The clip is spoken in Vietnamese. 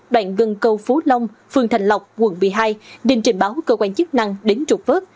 đoạn gần cầu phú long phường thành lộc quận một mươi hai đình trình báo cơ quan chức năng đến trục vớt